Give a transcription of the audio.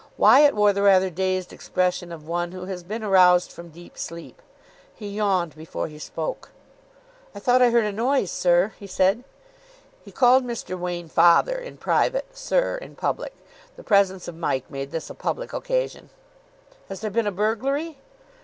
Wyatt wore the rather dazed expression of one who has been aroused from deep sleep. He yawned before he spoke. "I thought I heard a noise, sir," he said. He called Mr. Wain "father" in private, "sir" in public. The presence of Mike made this a public occasion. "Has there been a burglary?"